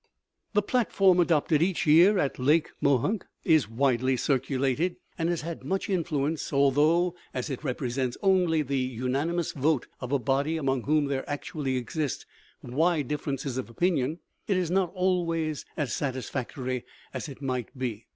The platform adopted each year at Lake Mohonk is widely circulated, and has had much influence; although, as it represents only the unanimous vote of a body among whom there actually exist wide differences of opinion, it is not always as satisfactory as it might be.